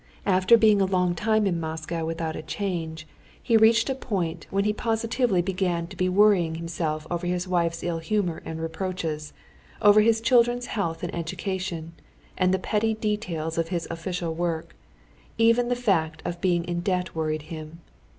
After being a long time in Moscow without a change, he reached a point when he positively began to be worrying himself over his wife's ill humor and reproaches, over his children's health and education, and the petty details of his official work; even the fact of being in debt worried him.